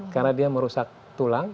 karena dia merusak tulang